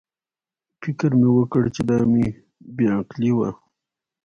فکر مې وکړ چې دا مې بې عقلي وه.